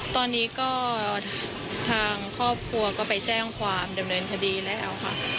ตอนนี้ก็ทางครอบครัวก็ไปแจ้งความดำเนินคดีแล้วค่ะ